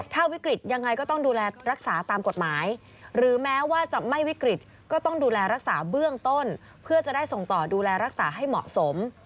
ถ้าวิกฤตยังไงก็ต้องดูแลรักษาตามกฎหมายหรือแม้ว่าจะไม่วิกฤตก็ต้องดูแลรักษาเบื้องต้นเพื่อจะได้ส่งต่อดูแลรักษาให้เหมาะสม